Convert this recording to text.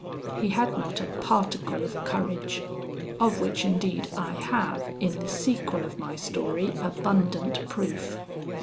He had not a particle of courage, of which indeed I have, in the sequel of my story, abundant proof.